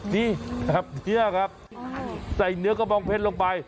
นี่แบบนี้ครับใส่เนื้อกระบองเพชรลงไป